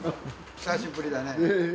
久しぶりだね。